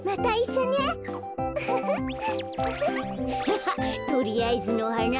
ハハとりあえずのはな。